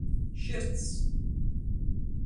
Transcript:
Šyrcs.